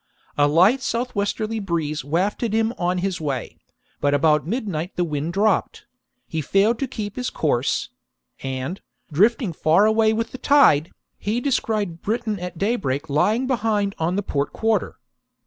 A light south westerly breeze wafted him on his way : but about midnight the wind dropped ; he failed to keep his course ; and, drifting far away with the tide, he descried Britain at daybreak lying behind on the port quarter.